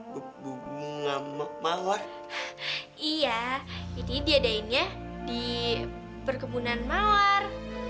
bubuk ngamuk mawar iya ini diadainya di perkebunan mawar